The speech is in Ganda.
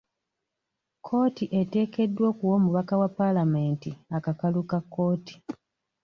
Kkooti eteekeddwa okuwa omubaka wa paalamenti akakalu ka kkooti.